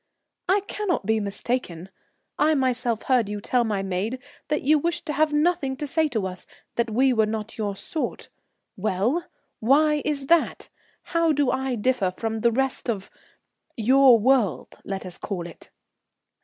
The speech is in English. "I cannot be mistaken. I myself heard you tell my maid that you wished to have nothing to say to us, that we were not your sort. Well! why is that? How do I differ from the rest of your world, let us call it?"